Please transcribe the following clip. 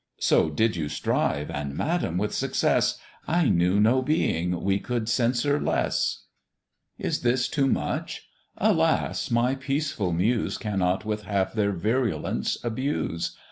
"So did you strive, and, madam! with success; I knew no being we could censure less!" Is this too much? Alas! my peaceful Muse Cannot with half their virulence abuse.